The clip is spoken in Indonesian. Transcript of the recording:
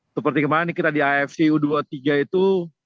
seperti kemarin kita di afc u dua puluh tiga itu